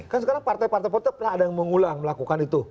kan sekarang partai partai pernah ada yang mengulang melakukan itu